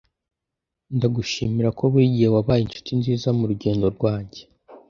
ndagushimira ko buri gihe wabaye inshuti nziza murugendo rwanjye